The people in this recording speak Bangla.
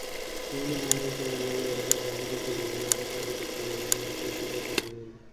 বিভিন্ন ধরনের তৃণভূমি রয়েছে: প্রাকৃতিক তৃণভূমি, আধা-প্রাকৃতিক তৃণভূমি এবং কৃষিজ তৃণভূমি।